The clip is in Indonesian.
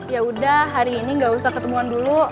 yaudah hari ini gak usah ketemuan dulu